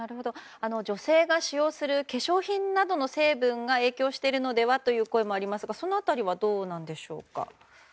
女性が使用する化粧品などの成分が影響しているのではという声もありますがその辺りはどうでしょうか。